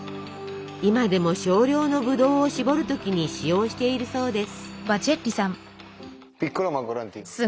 今でも少量のブドウをしぼる時に使用しているそうです。